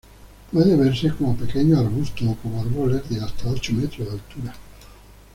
Puede verse como pequeños arbustos, o como árboles de hasta ocho metros de altura.